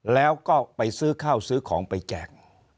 แล้วก็ไปซื้อข้าวซื้อของไปแจก